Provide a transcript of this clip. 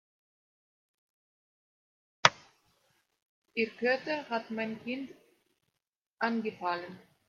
Ihr Köter hat mein Kind angefallen.